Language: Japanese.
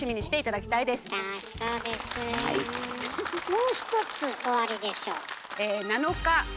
もう一つおありでしょう？